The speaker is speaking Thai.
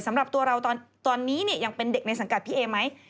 สำหรับตัวเราตอนนี้เนี่ยยังเป็นเด็กในสังกัดพี่เอไหม